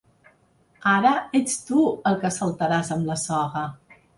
Ara, ets tu el que saltaràs amb la soga.